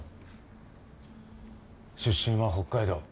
出身は北海道